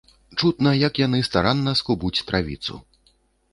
Чутна, як яны старанна скубуць травіцу.